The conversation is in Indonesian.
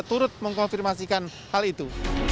turut mengkonfirmasikan hal itu